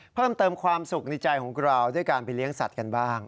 เพิ่มเติมความสุขในใจของเราด้วยการไปเลี้ยงสัตว์กันบ้าง